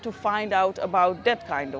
untuk mengetahui hal seperti itu